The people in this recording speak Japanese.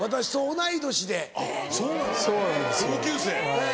同級生。